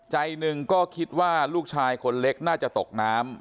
ใจหนึ่งก็คิดว่าลูกชายคนเล็กน่าจะตกน้ำ